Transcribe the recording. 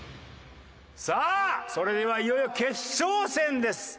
さあそれではいよいよ決勝戦です。